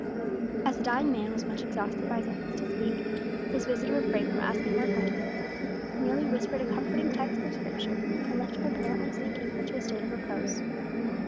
As the dying man was much exhausted by his efforts to speak, his visitor refrained from asking more questions. He merely whispered a comforting text of Scripture and left him apparently sinking into a state of repose.